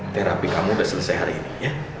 terapi kamu sudah selesai hari ini ya